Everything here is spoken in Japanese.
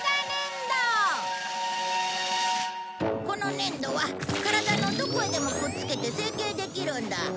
このねん土は体のどこへでもくっつけて整形できるんだ。